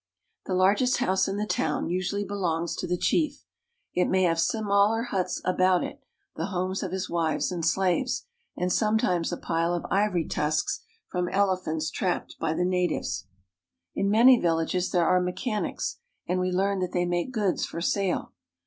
The largest house in the town usually belongs to the chief. It may have smaller huts about it, — the homes of his wives and slaves, — and sometimes a pile of ivory tusks from elephants trapped by the natives. In many villages there are mechanics, and we learn that they make goods for sale.